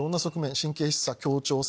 神経質さ協調性